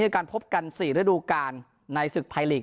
ในการพบกัน๔ราดูกาลในศึกฟ์ไทยฬีก